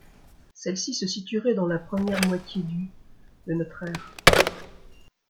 Celle-ci se situerait dans la première moitié du de notre ère.